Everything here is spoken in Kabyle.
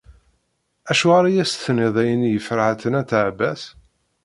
Acuɣer i as-tenniḍ ayenni i Ferḥat n At Ɛebbas?